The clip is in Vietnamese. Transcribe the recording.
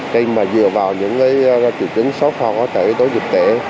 khi mà dựa vào những triệu chứng số kho có thể tối dịch tễ